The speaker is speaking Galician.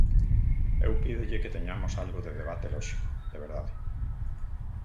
Eu pídolle que teñamos algo de debate lóxico, de verdade.